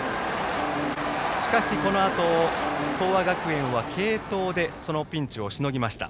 しかしこのあと東亜学園は継投でそのピンチをしのぎました。